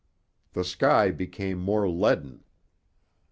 The sky became more leaden.